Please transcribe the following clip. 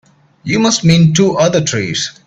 You must mean two other trees.